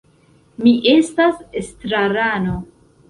Mi estas estrarano.